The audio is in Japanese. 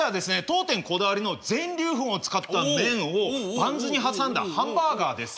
当店こだわりの全粒粉を使った麺をバンズに挟んだハンバーガーです。